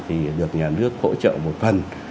thì được nhà nước hỗ trợ một phần